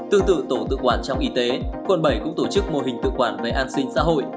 tương tự tổ tự quản trong y tế quận bảy cũng tổ chức mô hình tự quản về an sinh xã hội